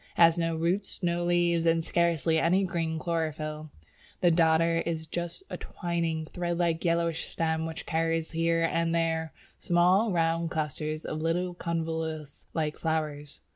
It has no roots, no leaves, and scarcely any green chlorophyll; the Dodder is just a twining, thread like, yellowish stem which carries here and there small round clusters of little convolvulus like flowers.